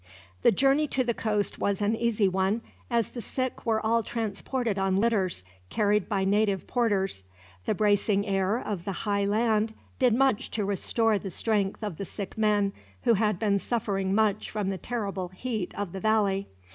The journey to the coast was an easy one, as the sick were all transported on litters, carried by native porters. The bracing air of the high land did much to restore the strength of the sick men, who had been suffering much from the terrible heat of the valley.